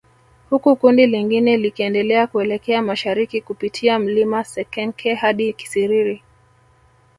Huku kundi lingine likiendelea kuelekea mashariki kupitia mlima Sekenke hadi Kisiriri